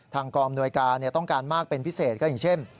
กองอำนวยการต้องการมากเป็นพิเศษก็อย่างเช่น